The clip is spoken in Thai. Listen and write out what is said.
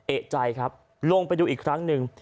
เอกใจครับลงไปดูอีกครั้งหนึ่ง